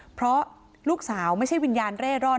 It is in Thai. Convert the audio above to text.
เพราะลูกสาวไม่ใช่วิญญาณเร่ร่อน